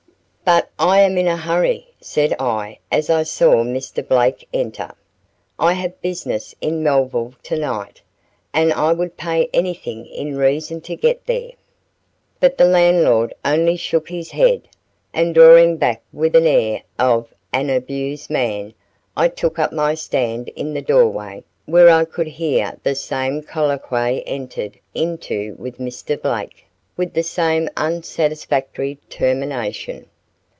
"But I am in a hurry," said I as I saw Mr. Blake enter. "I have business in Melville tonight, and I would pay anything in reason to get there." But the landlord only shook his head; and drawing back with the air of an abused man, I took up my stand in the doorway where I could hear the same colloquy entered into with Mr. Blake, with the same unsatisfactory termination.